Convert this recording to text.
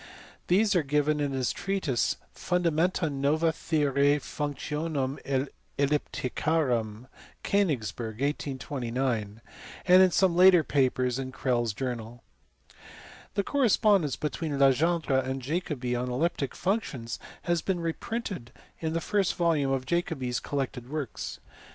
These are given in his treatise Funda menta Nova Theoriae Functionum Elliptwarum, Konigsberg, 1829, and in some later papers in Crelle s Journal. The correspondence between Legendre and Jacobi on elliptic func tions has been reprinted in the first volume of Jacobi s collected works.